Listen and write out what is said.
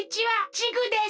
チグです。